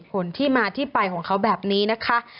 ผลที่มาที่ไปของเขาแบบนี้นะคะ